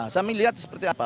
saya ingin lihat seperti apa